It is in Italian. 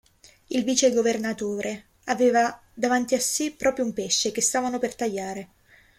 Il vicegovernatore aveva davanti a sé proprio un pesce, che stavano per tagliare.